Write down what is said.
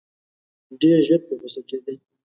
ډېر ژر په غوسه کېدی.